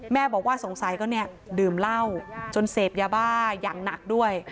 แม่บอกว่าสงสัยก็เนี่ยดื่มเหล้าจนเสพยาบ้าอย่างหนักด้วย